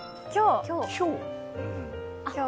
今日？